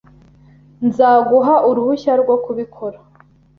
Nzaguha uruhushya rwo kubikora